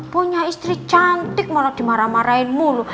punya istri cantik malah dimarah marahin mulu